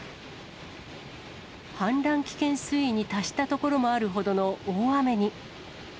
氾濫危険水位に達した所もあるほどの大雨に。